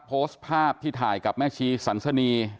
โพสต์ภาพที่ถ่ายกับแม่ชีสันสนี